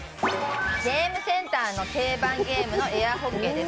ゲームセンターの定番ゲームの「エアホッケー」です。